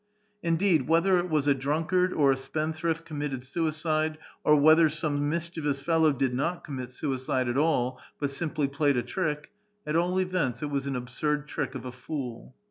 Indeed, whether it was a drunkard or a spendthrift committed suicide, or whether some mischievous fellow did not commit suicide at all, but simply played a trick ; at all events, it was an absurd trick of a fool.